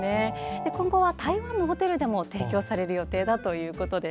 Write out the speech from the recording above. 今後は台湾のホテルでも提供される予定だということです。